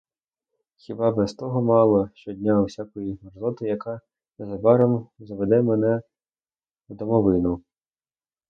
Хіба без того мало щодня усякої мерзоти, яка незабаром зведе мене в домовину?